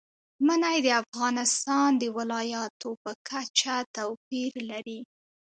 منی د افغانستان د ولایاتو په کچه توپیر لري.